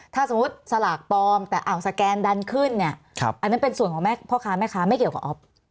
ถ้าสมมุติสลากปลอมแต่อ่าวสแกนดันขึ้นเนี่ยอันนั้นเป็นส่วนของพ่อค้าแม่ค้าไม่เกี่ยวกับอ๊อฟ